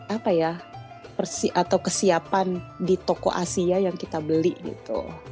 apa ya atau kesiapan di toko asia yang kita beli gitu